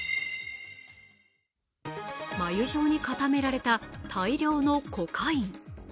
繭状に固められた大量のコカイン。